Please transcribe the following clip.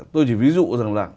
tôi chỉ ví dụ rằng là